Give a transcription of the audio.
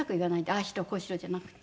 「ああしろこうしろ」じゃなくて。